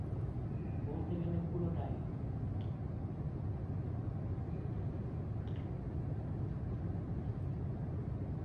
এটি বার দুবাইয়ের ক্রিক বরাবর পশ্চিম দুবাইতে অবস্থিত।